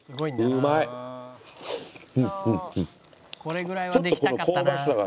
「これぐらいはできたかったな」